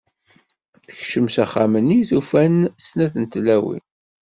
Tekcem s axxam-nni, tufa-n snat tlawin.